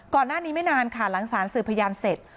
ก่อนหน้านี้ไม่นานค่ะหลังสารสื่อพยานเสร็จ